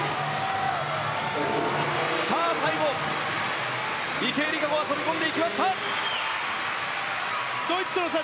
最後、池江璃花子が飛び込んでいきました。